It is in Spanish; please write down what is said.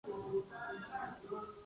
Se encuentra en Java Indonesia.